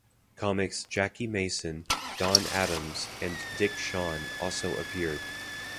Comics Jackie Mason, Don Adams, and Dick Shawn also appeared.